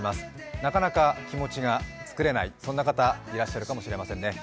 なかなか気持ちが作れないという方、いらっしゃるかもしれませんね。